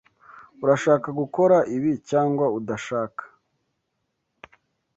Urashaka gukora ibi cyangwa udashaka?